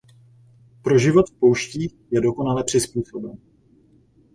Pro život v pouštích je dokonale přizpůsoben.